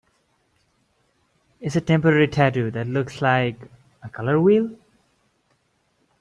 It's a temporary tattoo that looks like... a color wheel?